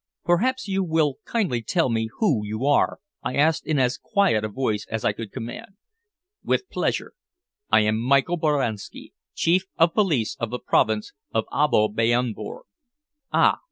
"Perhaps you will kindly tell me who you are?" I asked in as quiet a voice as I could command. "With pleasure. I am Michael Boranski, Chief of Police of the Province of Abo Biornebourg." "Ah!